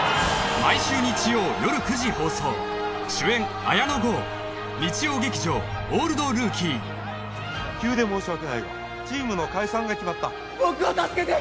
毎週日曜よる９時放送主演綾野剛日曜劇場「オールドルーキー」・急で申し訳ないがチームの解散が決まった僕を助けて！